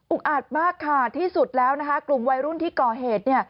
อาจมากค่ะที่สุดแล้วนะคะกลุ่มวัยรุ่นที่ก่อเหตุ